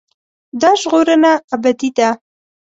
دا ژغورنه ابدي ده.